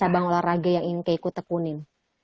cabang olahraga yang keiko tekunin